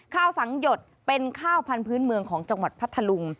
ข้าวสังหยดเป็นข้าวพันธุ์เมืองของจังหวัดพัทธลุง